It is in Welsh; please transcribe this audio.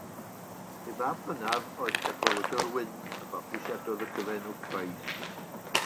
Ei fab hynaf oedd Cadwaladr Wyn, a fabwysiadodd y cyfenw Price.